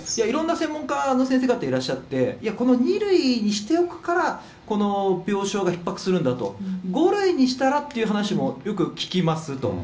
いろんな専門の先生方、いらっしゃって、いや、この２類にしておくから、この病床がひっ迫するんだと、５類にしたらっていう話もよく聞きますと。